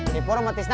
kamu lagi emergency